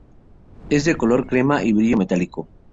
Es de color crema y brillo metálico.